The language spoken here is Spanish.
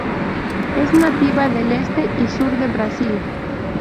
Es nativa del este y sur de Brasil.